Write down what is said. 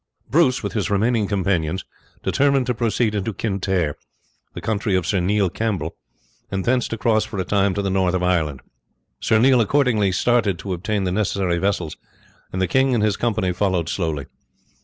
Bruce with his remaining companions determined to proceed into Kintyre, the country of Sir Neil Campbell, and thence to cross for a time to the north of Ireland. Sir Neil accordingly started to obtain the necessary vessels, and the king and his company followed slowly.